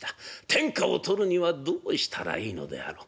天下を取るにはどうしたらいいのであろう。